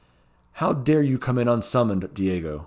"How dare you come in unsummoned, Diego?"